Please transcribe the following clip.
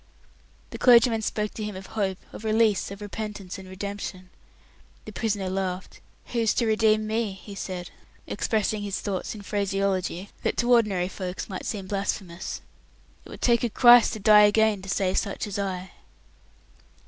The clergyman spoke to him of hope, of release, of repentance, and redemption. The prisoner laughed. "Who's to redeem me?" he said, expressing his thoughts in phraseology that to ordinary folks might seem blasphemous. "It would take a Christ to die again to save such as I."